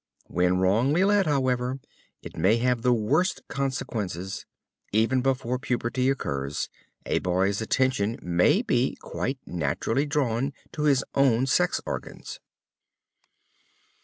When wrongly led, however, it may have the worst consequences. Even before puberty occurs, a boy's attention may be quite naturally drawn to his own sex organs.